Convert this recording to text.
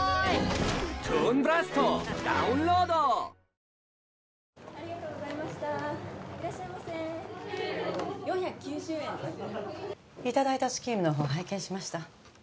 いただいたスキームのほう拝見しました